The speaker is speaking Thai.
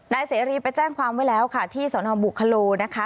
นายเสรีไปแจ้งความไว้แล้วค่ะที่สนบุคโลนะคะ